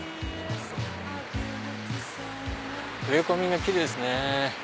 植え込みがキレイですね。